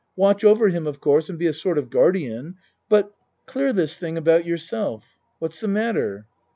Watch over him of course and be a sort of guardian but clear this thing about yourself. What's the matter?